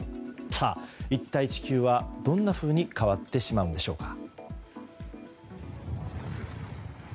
さあ一体、地球はどんなふうに変わってしまうんでしょうか。